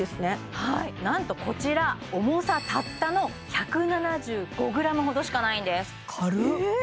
はいなんとこちら重さたったの１７５ｇほどしかないんです軽っ！